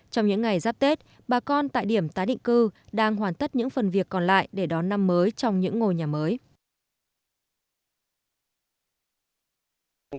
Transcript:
trong những ngày giáp tết bà con tại điểm tái định cư đang hoàn tất những phần việc còn lại để đón năm mới trong những ngôi nhà mới